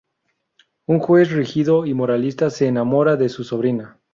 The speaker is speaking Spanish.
Un juez rígido y moralista se enamora de su sobrina.